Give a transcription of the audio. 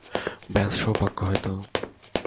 ব্যস সৌভাগ্য হয়তো।